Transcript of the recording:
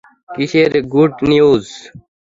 কিসের good news?